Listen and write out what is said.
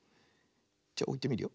じゃおいてみるよ。